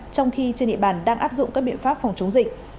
trong khi trên địa bàn đang áp dụng các biện pháp phòng chống dịch